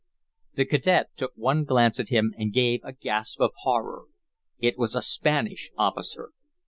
The cadet took one glance at him and gave a gasp of horror. It was a Spanish officer!